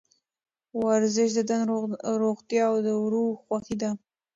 ورزش د تن روغتیا او د روح خوښي ده.